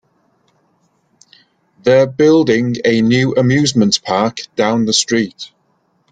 They're building a new amusement park down the street.